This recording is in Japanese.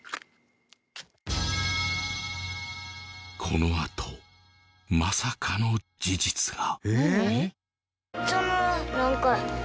このあとまさかの事実が。